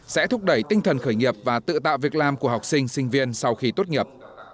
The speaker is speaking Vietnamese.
sẽ thúc đẩy tinh thần khởi nghiệp và tự tạo việc làm của học sinh sinh viên sau khi tốt nghiệp